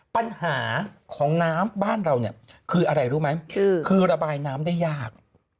ปัญหาของน้ำบ้านเราเนี่ยคืออะไรรู้ไหมคือระบายน้ำได้ยาก